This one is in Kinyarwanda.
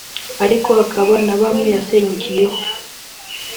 ariko hakaba na bamwe yasenyukiyeho